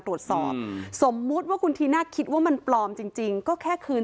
ตรวจสอบสมมุติว่าคุณธีน่าคิดว่ามันปลอมจริงก็แค่คืน